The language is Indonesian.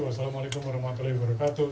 wassalamualaikum warahmatullahi wabarakatuh